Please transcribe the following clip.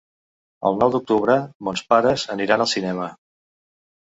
El nou d'octubre mons pares aniran al cinema.